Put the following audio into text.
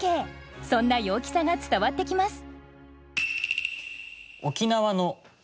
そんな陽気さが伝わってきます。